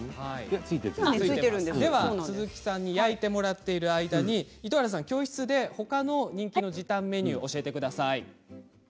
では焼いてもらっている間に糸原さん教室で人気のほかの時短メニューを教えてください。